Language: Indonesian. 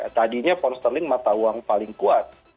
tadinya pons terling mata uang paling kuat